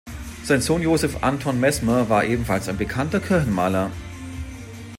Sein Sohn Josef Anton Mesmer war ebenfalls ein bekannter Kirchenmaler.